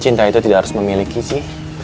cinta itu tidak harus memiliki sih